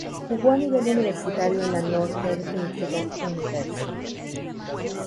Jugó a nivel universitario en la Northern Michigan University.